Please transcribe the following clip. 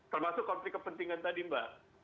termasuk konflik kepentingan tadi mbak